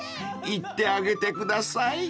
行ってあげてください］